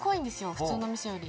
普通の味噌より。